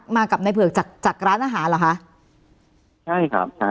มากับในเผือกจากจากร้านอาหารเหรอคะใช่ครับใช่